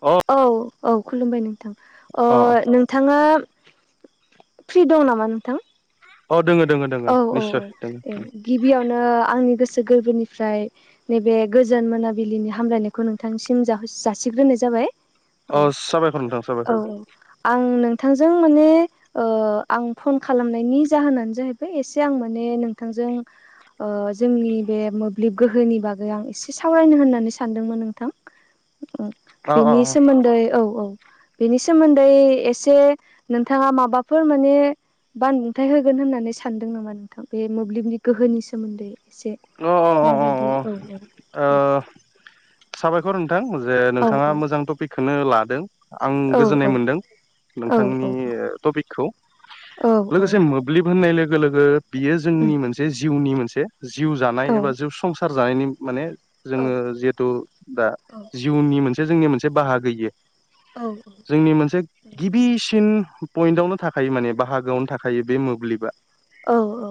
अ औ औ खुलुमबाय नोंथां औ अ नोंथाङा फ्रि दं नामा नोंथां औ दोङो दोङो दोङो औ औ निस्सय दोङो औ गिबियावनो आंनि गोसो गोरबोनिफ्राय नैबे गोजोन मोनाबिलिनि हामलायनायखौ नोंथांसिम जा-जाहो जासिग्रोनाय जाबाय अ औ साबायखर नोंथां साबायखर औ आं नोंथांजों माने ओ आं फन खालामनायनि जाहोनानो जाहैबाय एसे आं माने नोंथांजों ओ जोंनि बे मोब्लिब गोहोनि बागै आं एसे सावरायनो होननानै सानदोंमोन नोंथां ओ अ अ बेनि सोमोन्दै औ औ बेनि सोमोन्दै एसे नोंथाङा माबाफोर माने बानुंथाय होगोन होननानै सानदों नामा नोंथां बे मोब्लिबनि गोहोनि सोमोन्दै एसे अ अ माबादि औ अ औ अ साबायखर नोंथां जे औ नोंथाङा मोजां टपिकखौनो लादों आं औ गोजोननाय मोनदों औ नोंथांनि टपिकखौ औ औ ब्लिब होननाय लोगो लोगो बियो जोंनि मोनसे जिउनि मोनसे जिउ जानाय एबा जिउ संसार जानायनि माने जोङो जिहेथु दा जिउनि मोनसे जोंनि मोनसे बाहागो इयो औ जोंनि मोनसे गिबिसिन पइन्टावनो थाखायो माने बाहागोआवनो थाखायो बे मोब्लिबा औ औ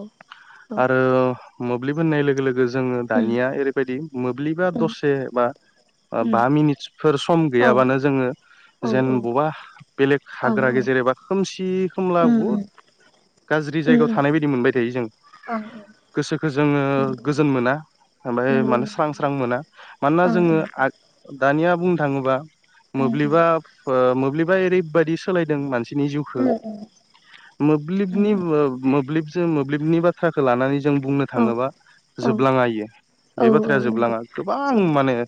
आरो मोब्लिब ब होननाय लोगो लोगो नंगौ औ जोङो उम दानिया ओरैबायदि मोब्लिबा उम दसे बा ओ उम बा मिनिटसफोर सम औ गैयाबानो जोङो औ जेन औ बबेबा बेलेग हाग्र औ गेजेर एबा खोमसि समला उम उम बुहुद गाज्रि उम जायगायाव उम थानाय बायदि मोनबाय थायो जों औ गोसोखो जोङो गोजोन मोना ओमफ्राय नंगौ माने स्रां स्रां मोना। मानोना जोङो नंगौ आद दानिया बुंनो थाङोबा मोब्लिबा नंगौ मोब्लिबा ओरैबायदि सोलायदों मानसिनि जिउखो ओं उम उम मोब्लिबनि उम ओ मोब्लिबजो मोब्लिबनि बा बाथ्राखौ लानानै जों बुंनो औ थाङोबा औ जोबलाङा इयो औ बे औ बाथ्राया नंगौ जोबलाङा गोबां औ माने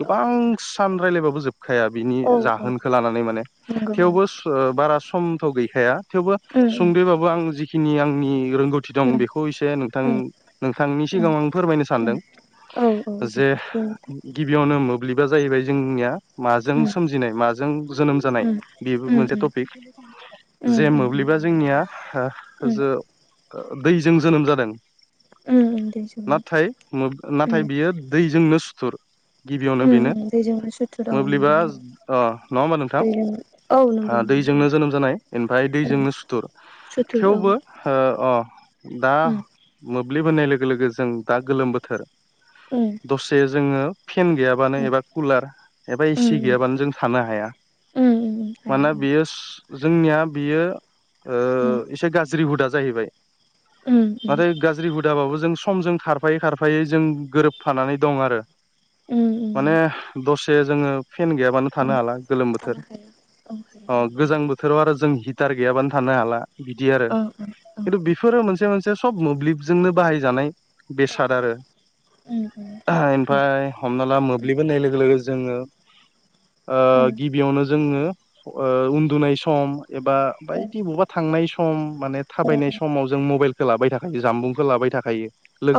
गोबां सान रायलायबाबो जोबखाया बिनि औ औ जाहोनखौ लानानै माने नंगौ औ थेवबो ओ बारा समथ' गैखाया थेवबो उम सुंदयैबाबो आं जिखिनि आंनि रोंगौथि दं उम बेखौ एसे नोंथां उम नोंथांनि उम सिगाङाव आं फोरमायनो उम सानदों औ औ दे जे बुं गिबियावनो मोब्लिबा जाहैबाय जोंनिया माजों नोंथां सोमजिनाय माजों जोनोम जानाय उम बेबो उम मोनसे उम टपिक उम जे उम मोब्लिबा जोंनिया ओ उम जो ओ दैजों जोनोम जादों उम उम दैजोंनो नाथाय उम नाथाय बियो दैजोंनो सुथुर गिबियावनो उम बेनो उम दैजोंनो सुथुर औ नंगौ मोब्लिबा नंगौ अ नङा होमबा नोंथां दैजों औ नंगौ नंगौ औ दैजोंनो जोनोम जानाय ओमफ्राय उम दैजोंनो सुथुर सुथुर औ थेवबो ओ अ दा उम मोब्लिबोननाय लोगो लोगो जों दा गोलोम बोथोर ओम दसे जोङो फेन गैयाबानो एबा कुलार एबा उम एसि गैयाबानो जों थानो हाया। उम उम हाया मानोना औ बेयो जोंनिया बियो ओ उम एसे गाज्रि हुदा जाहैबाय उम उम माथो गा गाज्रि हुदाबाबो जों समजों खारफायै खारफायै जों गोरोबफानानै दं आरो। उम माने उम दसे जोङो फेन गैयाबानो थानो उम हाला गोलोम बोथोर थानो हाया औ अ हाया गोजां बोथोराव आरो जों हिटार गैयाबानो थानो हाला बिदि आरो औ खिन्थु औ बेफोरो मोनसे मोनसे सब मोब्लिबजोंनो बाहायजानाय औ बेसाद आरो उम उम ओमफ्राय हमना ला मोब्लिब होननाय लोगो लोगो जोङो ओ ओं गिबियावनो जोङो ओ उन्दुनाय सम एबा बायदि बबा थांनाय सम माने थाबायनाय समाव जों मबाइलखौ लाबाय थाखायो जानबुंखौ लाबाय थाखायो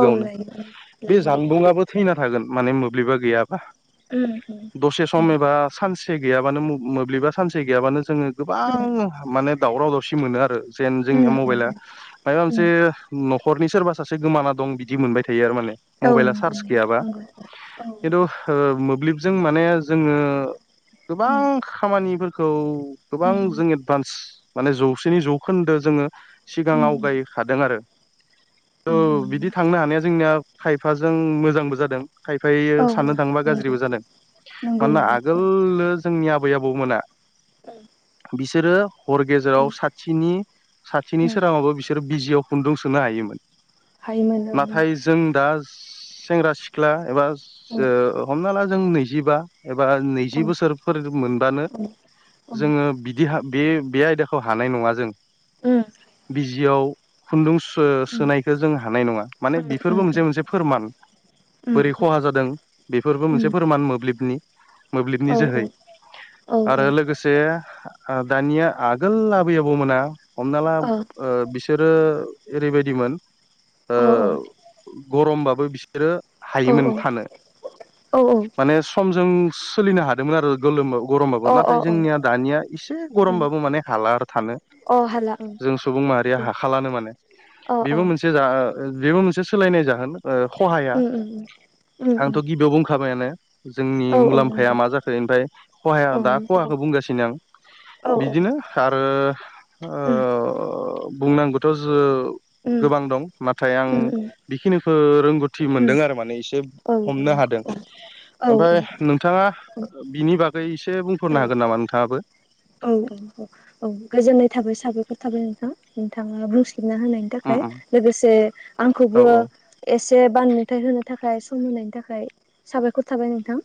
औ लायो बे लायो जानबुङाबो थैना थागोन माने मोब्लिबा गैयाबा उम दसे सम उम एबा सानसे गैयाबानो मोब्लिबा सानसे गैयाबानो जोङो उम गोबां माने दावराव दाव खुसि मोनो आरो जेन जोंनिया उम उम मबाइला माइबा मोनसे उम न'खरनि सोरबा सासे गोमाना दं बिदि मोनबाय थायो आरो माने औ मबाइला नंगौ चार्ज नंगौ गैयाबा नंगौ औ खिन्थु ओ मोब्लिबजों माने जोङो गोबां उम खामानि खौ गोबां उम जों एडभान्स माने जौसेनि जौखोन्दो जोङो उम सिगांआव गाय उम हादों आरो उम थ' उम बिदि थांनो हानाया जोंनिया खायफाजों मोजांबो जादों खाय ओमफायो औ साननो थाङोबा नंगौ गाज्रिबो जादों नंगौ मानोना नंगौ आगोलनो जोंनि आबै आबौमोना [inaudible] बिसोरो हर उम गेजेराव साथिनि साथिनि उम सोराङाबो बिसोर बिसोर बिजियाव खुन्दुं सोनो हायोमोन हायोमोन नाथाय जों दा सेंग्रा सिख्ला एबा औ ओ हमना ला जों नैजिबा एबा औ नैजि बोसोर फोर मोनबानो औ उम जोङो बिदि बे- बे आयदाखौ हानाय नङा जों। उम बिजियाव खुन्दुं सो- उम सोनायखौ जों हानाय नङा माने बेफोरबो मोनसे मोनसे फोरमान उम बोरै खहा जादों बेफोरबो मोनसे उम फोरमान मोब्लिबनि। मोब्लिबनि औ जोहै औ आरो ओ लोगो से आ दानिया आगोल आबै आबौ मोना हमना ला औ ओ बिसोरो ओरैबायदिमोन ओ औ गरमबाबो बिसोरो हायोमोन औ माने समजों सोलिनो हा दोंमोन आरो गोलोम गरमबाबो अ अ नाथाय अ जोंनिया दानिया एसे उम गरमबाबो माने हालाार थानो। अ हाला ओं जों सुबुं माहारिया दे हाखालानो माने अ अ बेबो मोनसे [unintelligible] बेबो मोनसे सोलायनाय जागोन ओ खहाया उम उम उम। उम आंथ' उम गिबियाव बुंखाबायानो जोंनि औ औ नंगौ मुलाम्फाया मा जाखो ओमफ्राय खहाया औ दा खहाखौ बुंगासिनो आं औ बिदिनो आरो उम ओ- बुंनांगौथ' जो उम गोबां दं नाथाय आं उम उम बेखिनिफोर रोंगौथि उम मोनदों आरो माने एसे औ हमनो नंगौ हादों औ औ आफ्राय नोंथाङा बिनि बागै एसे बुंफोररनो हागोन नामा नोंथाङाबो? औ औ औ औ गोजोननाय थाबाय साबायखर थाबाय नोंथाङा नोंथाङा बुंसिबना होनायनि उम थाखाय उम लोगोसे औ आंखौबो एसे बानबुंथायाइ होनो थाखाय सम होनायनि थाखाय साबायखर थाबाय नोंथां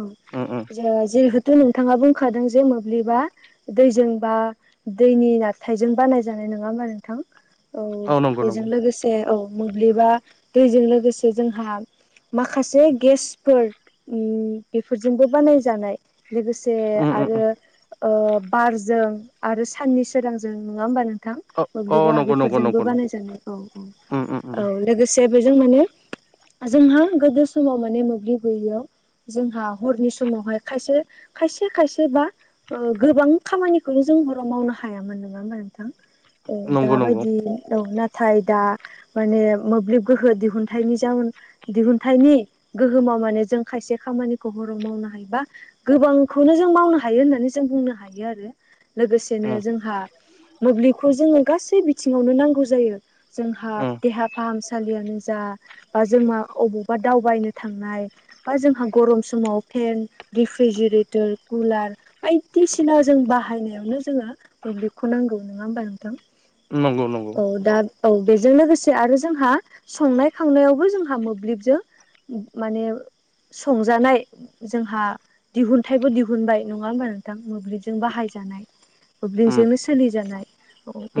औ उम उम। जिहेथु नोंथाङा बुंखादों जे मोब्लिबा दैजों बा दैनि नारथायजों बानाय जानाय। नङा होमबा नोंथां? औ नंगौ बेजों नंगौ लोगोसे औ मोब्लिबा दैजों लोगोसे जोंहा माखासे गेसफोर बेफोरजोंबो बानायजानाय। लोगोसे उम उम आरो उम ओ- बारजों आरो साननि सोरांजों नङा होमबा नोंथां? औ औ मोब्लिबा नंगौ नंगौ नंगौ बेफोरजोंबो बानायजानाय औ औ उम उम उम औ लोगोसे बेजों माने जोंहा गोदो समाव माने मोब्लिब गैयैयाव जोंहा हरनि समावहाय खायसे खायसे खायसे बा गोबां खामानिखौनो जों हराव मावनो हायामोन नङा होमबा नोंथां? औ नंगौ नंगौ दाबायदि औ नाथाय दा माने मोब्लिब गोहो दिहुनथाइनि जाउन दिहुनथाइनि गोहोमाव माने जों खायसे खामानिखौ हराव मावनो हायोबा गोबांखौनो जों मावनो हायो होननानै जों बुंनो हायो आरो। लोगोसेनो उम जोंहा मोब्लिबखौ जोङो गासै बिथिङावनो नांगौ जायो। जोंहा उम देहा फाहामसालियानो जा बा जोंहा अबावबा दावबायनो थांनाय बा जोंहा गरम समाव फेन रिफ्रिजिरेटर कुलार बायदिसिना जों बाहायनायावनो जोङो मोब्लिबखौ नांगौ नङा होमबा नोंथां? नंगौ नंगौ औ दा औ बेजों लोगोसे आरो जोंहा संनाय खावनायावबो जोंहा मोब्लिबजों माने संजानाय जोंहा दिहुनथाइबो दिहुनबाय नङा होमबा नोंथां? मोब्लिब बाहाय जानाय उम मोब्लिंजोंनो सोलिजानाय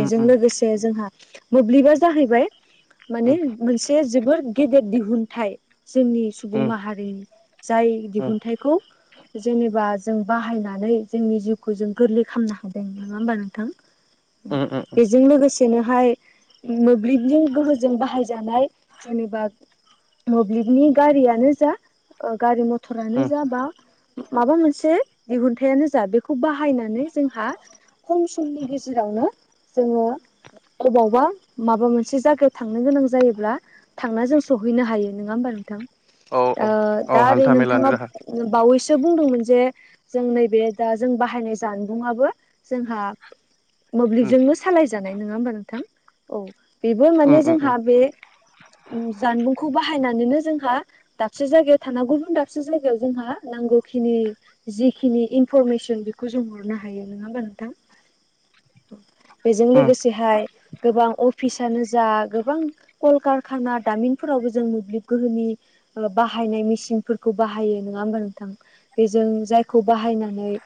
उम उम लोगोसे बे जोंहा मोब्लिबा जाहैबाय माने उम मोनसे जोबोर गेदेर दिहुनथाइ। जोंनि सुबुं उम माहारिनि जाय उम दिहुनथाइखौ जेनेबा जों बाहायना जोंनि जिउखौ जों गोरलै खालामनो हादों नङा होमबा नोंथां उम उम बेजों लोगोसे जेनोहाय मोब्लिबजों गोहोजों बाहायजानाय जेनेबा मोब्लिबनि गारियानो जा ओ गारि म थरानो उम जा बा माबा मोनसे दिहुन हाथायानो जा बेखौ बाहायनानै जोंहा खम समनि गेजेरावनो जोङो अबावबा माबा मोनसे जायगायाव थांनो गोनां जायोब्ला थांना जों सहैनो हायो नङा होमबा नोंथां औ ओ औ दा औ ओरै हान्था मेलानि नोंथाङा राहा बावैसो बुंदोंमोन जे जों नै बे दा जों बाहायनाय जानबुंआबो जोंहा उम मोब्लिब सालाय जानाय नङा होमबा नोंथां औ बेबो मान उम उम जोंहा उम बे जानबुंखौ बाहायनानैनो जोंहा दाबसे जायगायाव थाना गुबुन दाबसे जायगायाव जोंहा नांगौखिनि जिखिनि इन इनफरमेसन बेखौ जों हरनो हायो नङा होमबा नोंथां औ बेजों उम लोगोसेहाय गोबां अफिसानो जा गोबां कलकारखाना दामिनफोरावबो जों मोब्लिब गोहोनि बाहायनाय मेसिनफोरखौ बाहायो नङा होमबा नोंथां बेजों जायखौ बाहायना नै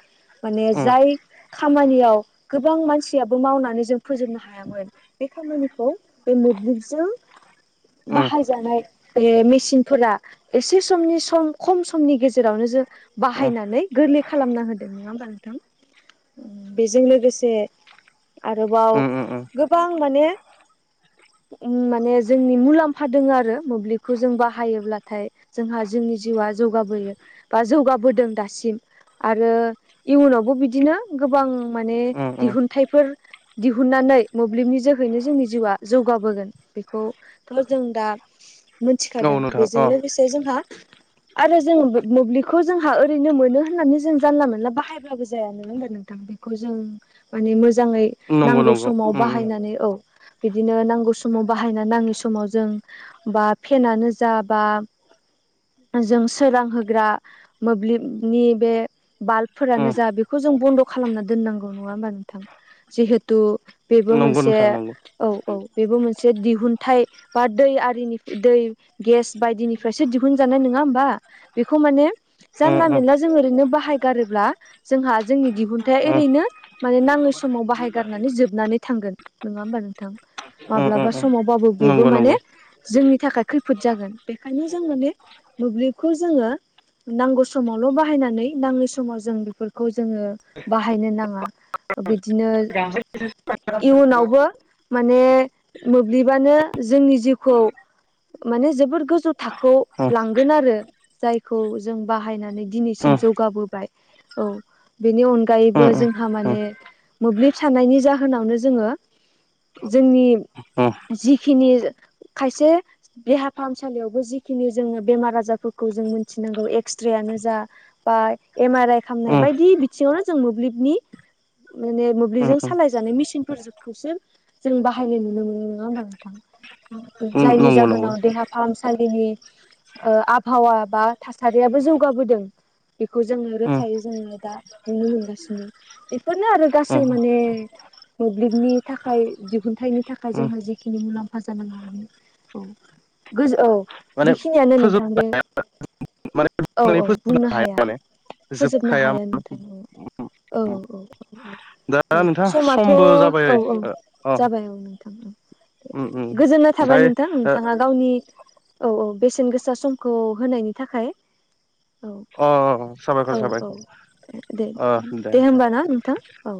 माने उम जाय खामानियाव गोबां मानसियाबो मावनानै जों फोजोबनो हाया। [unintelligible] बे खामानिखौ बे मोब्लिबजों उम बाहायजानाय बे मेसिनफोरा एसे समनि सम खम समनि गेजेरावनो जों उम बाहायनानै गोरलै खालामना होदों नङा होमबा नोंथां? बेजों लोगोसे आरोबाव उम उम गोबां माने माने जोंनि मुलाम्फा दोङो आरो मोब्लिबखौ जों बाहायोब्लाथाय जोंहा जोंनि जिउआ जौगाबोयो, बा जौगाबोदों दासिम। आरो इयुनावबो बिदिनो गोबां माने उम उम दिहुनथाइफोर दिहुन्नानै मोब्लिबनि जोहैनो जोंनि जिउआ जौगाबोगोन, बेखौ थ' जों दा मोनथिखादों औ नोंथां बेजों अ लोगोसे जोंहा आरो जों मोब्लिबखौ जोंहा ओरैनो मोनो होननानै जों जानला मोनला बाहायबाबो जाया नङा होमबा नोंथां बेखौ जों माने मोजाङै नंगौ नांगौ नंगौ समाव उम उम बाहायनानै औ बिदिनो नांगौ समाव बाहायना नाङै समाव जों बा फेनानो जा बा जों सोरांहोग्रा मोब्लिबनि बे बाल्बफोरानो उम जा बेखौ जों बन्द' खालामना दोननांगौ नङा होमबा नोंथां जिहेथु बेबो नंगौ मोनसे नोंथां नंगौ औ औ बेबो मोनसे दिहुनथाइ बा दै आरिनि दै गेस बायदिनिफ्रायसो दिहुनजानाय नोङा होमबा? बेखौ माने उम जानला उम मोनानला जों ओरैनो बाहायगारोब्ला जोंहा जोंनि दिहुनथाइया उम एरैनो माने नाङै समाव बाहायगारनानै जोबनानै थांगोन, नोङा होमबा नोंथां? उम माब्लाबा उम उम समावबाबो बेबो नंगौ माने नंगौ उम जोंनि थाखाय खैफोद जागोन। बेखायनो जों माने मोब्लिबखौ जोङो नांगौ समावल' बाहायनानै नाङै समाव जों बेफोरखौ जोङो बाहायनो नाङा बिदिनो‌ [unintelligible] इयुनावबो माने मोब्लिबानो जोंनि जिउखौ माने जोबोद गोजौ थाखोआव लांगोन आरो। जायखौ जों बाहायनानै दिनैसिम जौगाबोबाय। औ बेनि अनगायैबो उम जोंहा माने मोब्लिब साननायनि जाहोनावनो जोङो जोंनि उम जिखिनि खायसे देहा फाहामसालियावबो जिखिनि जोङो बेमार आजारफोरखौ जों मिथिनांगौ एक्स्रेयानो जा बा एम आर आइ खालामनाय उम बायदि बिथिङावनो जों मोब्लिबनि माने उम मोब्लिबजों सालाय जानाय मिसिनफोरजोबखौसो जों बाहायनाय नुनो मोनो नङा होमबा नोंथां उम जायनि नंगौ नंगौ उम जाहोनाव देहा। फाहामसालिनि आबहावा बा थासारियाबो जौगाबोदों बेखौ जोङो रोखायै जोङो दा नुनो मोनगासिनो बेफोरनो आरो गासै माने मोब्लिबनि थाखाय दिहुनथाइनि थाखाय जोंहा जिखिनि मुलाम्फा जानांगौ बे औ गोज औ माने बेखिनियानो फोजोब नोंथां बे माने औ बुंनानै औ फोजोबनो बुंनो हाया माने फोजोबनो जोबखाया हाया नोंथां औ औ औ औ। दा औ नोंथां समाथ' समबो जाबाय औ औ अ जाबाय, औ नोंथां औ उम उम गोजोननाय थाबाय ओमफ्राय नोंथां अ नोंथाङा। गावनि औ औ बेसेन गोसा समखौ होनायनि थाखाय औ अ अ साबाय औ औ दे दे होमबा ना नोंथां औ